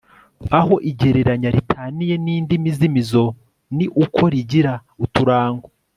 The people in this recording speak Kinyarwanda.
aho igereranya ritaniye n'indi mizimizo ni uko rigira uturango